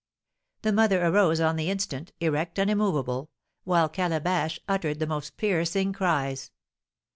The mother arose on the instant, erect and immovable, while Calabash uttered the most piercing cries.